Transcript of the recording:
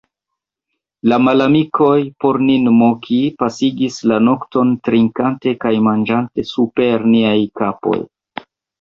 La malamikoj, por nin moki, pasigis la nokton trinkante kaj manĝante super niaj kapoj.